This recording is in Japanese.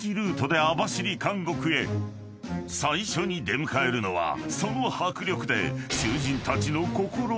［最初に出迎えるのはその迫力で］